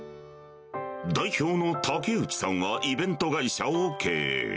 代表の竹内さんはイベント会社を経営。